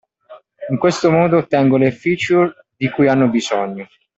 In questo modo ottengono le feature di cui hanno bisogno.